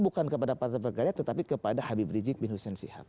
bukan kepada partai berkay tetapi kepada habib rijik bin hussein syihab